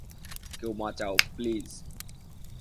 কেউ বাঁচাও, প্লিজ!